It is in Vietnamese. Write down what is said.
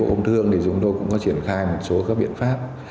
bộ công thương thì chúng tôi cũng có triển khai một số các biện pháp